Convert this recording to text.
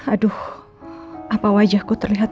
aduh apa wajahku terlihat